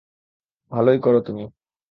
ভালোই করো তুমি।